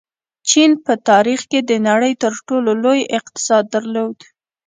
چین په تاریخ کې د نړۍ تر ټولو لوی اقتصاد درلود.